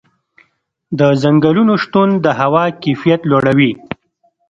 د ځنګلونو شتون د هوا کیفیت لوړوي.